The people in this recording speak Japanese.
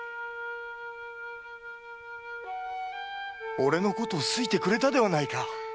俺のことを好いてくれたではないか！